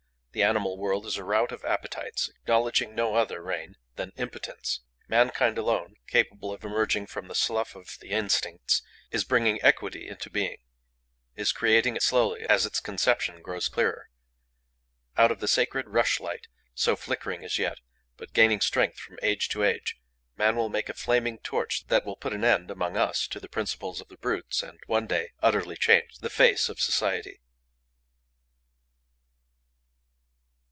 The animal world is a rout of appetites, acknowledging no other rein than impotence. Mankind, alone capable of emerging from the slough of the instincts, is bringing equity into being, is creating it slowly as its conception grows clearer. Out of the sacred rushlight, so flickering as yet, but gaining strength from age to age, man will make a flaming torch that will put an end, among us, to the principles of the brutes and, one day, utterly change the face of society.